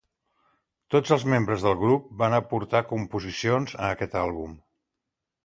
Tots els membres del grup van aportar composicions a aquest àlbum.